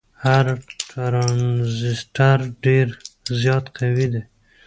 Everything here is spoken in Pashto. هر ټرانزیسټر ډیر زیات قوي دی.